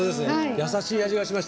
やさしい味がしました。